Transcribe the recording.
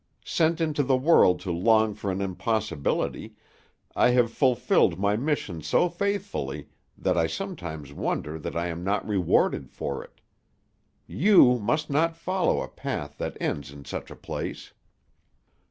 Sent into the world to long for an impossibility, I have fulfilled my mission so faithfully that I sometimes wonder that I am not rewarded for it. You must not follow a path that ends in such a place."